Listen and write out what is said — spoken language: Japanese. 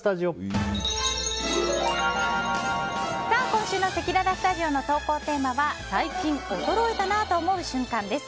今週のせきららスタジオの投稿テーマは最近衰えたなぁと思う瞬間です。